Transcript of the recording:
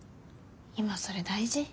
今それ大事？